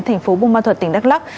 thành phố bung ma thuật tỉnh đắk lắk